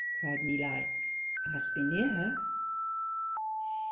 cried Mi Li I must be near her.